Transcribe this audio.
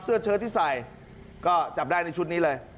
เชิดที่ใส่ก็จับได้ในชุดนี้เลย